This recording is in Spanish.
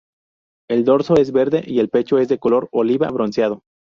El dorso es verde y el pecho es de color oliva bronceado.